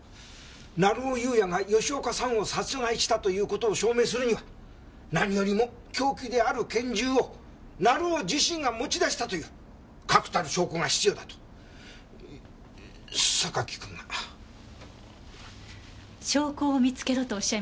成尾優也が吉岡さんを殺害したという事を証明するには何よりも凶器である拳銃を成尾自身が持ち出したという確たる証拠が必要だと榊君が。証拠を見つけろとおっしゃいましたよね？